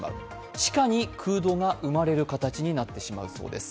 地下に空洞が生まれる形になってしまうそうです。